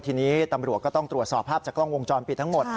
ทีนี้ตำรวจก็ต้องตรวจสอบภาพจากกล้องวงจรปิดทั้งหมด